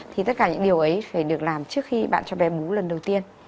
thì tất cả những điều ấy phải được làm trước khi bạn cho bé bú lần đầu tiên